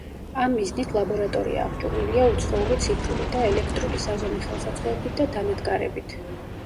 ამ მიზნით ლაბორატორია აღჭურვილია უცხოური ციფრული და ელექტრული საზომი ხელსაწყოებით და დანადგარებით.